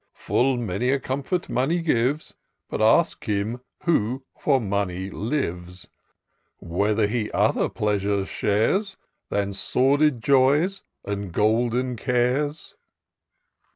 Full many a comfort money gives ; But ask him who for money lives. Whether he other pleasures shares. Than sordid joys and golden cares